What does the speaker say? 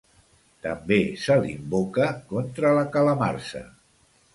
També se l'invoca contra la calamarsa.